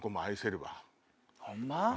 ホンマ？